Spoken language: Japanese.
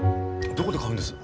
どこで買うんです？